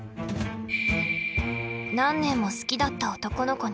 何年も好きだった男の子に。